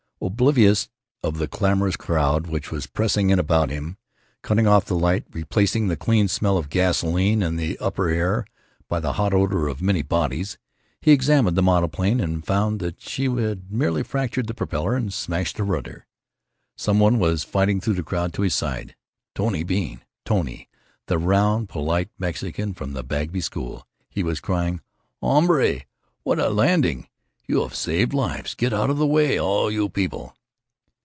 Oblivious of the clamorous crowd which was pressing in about him, cutting off the light, replacing the clean smell of gasoline and the upper air by the hot odor of many bodies, he examined the monoplane and found that she had merely fractured the propeller and smashed the rudder. Some one was fighting through the crowd to his side—Tony Bean—Tony the round, polite Mexican from the Bagby School. He was crying: "Hombre, what a landing! You have saved lives.... Get out of the way, all you people!"